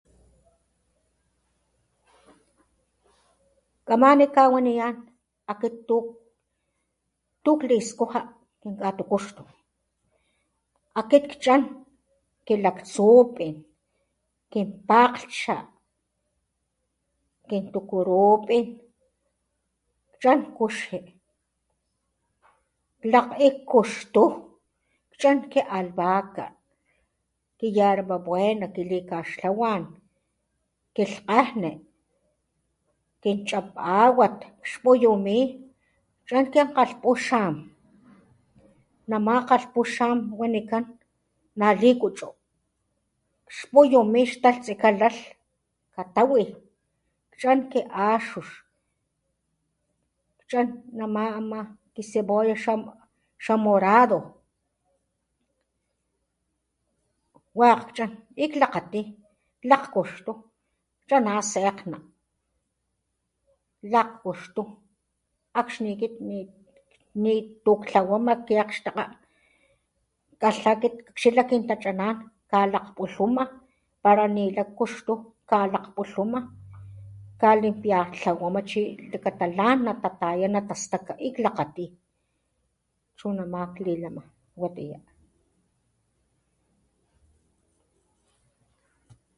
Kaman kgawaniyan tu akit kliskuja nak katukuxto (chichi tasama) akit chan kilaktsupin, kin paklcha, kin tukurupin chan kuxi, lakguikuxtuwan ki lkajne kin chapawat. xpuyumi chan kin kgalppuxam nama kgalpuxam wanikan na likgucho xpuyumi xtaltse kalalh katawi, chan ki axhus, chan nama ama cebolla mantakjua wak chan y glakgati lakxuxtu kchanambara akxi akit ni tu klawama kiaxtaka kgalha kit akxila kin tachanan kalakgpulhuma pala ni la kuxtu kgalakpulhuma ka lan tlawama chi xlakata lan na tataya la akit lakgati chu nama klilama